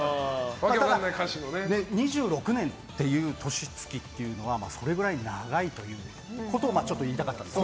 ２６年っていう年月っていうのはそれくらい長いということを言いたかったんです。